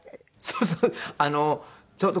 そうそう。